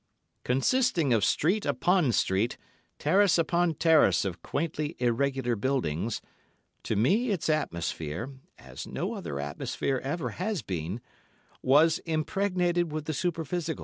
Consisting of street upon street, terrace upon terrace of quaintly irregular buildings, to me its atmosphere—as no other atmosphere ever has been—was impregnated with the superphysical.